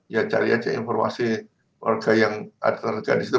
ya cari aja informasi warga yang ada di situ